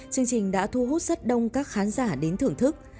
chương trình đã thu hút rất đông các khán giả đến thưởng thức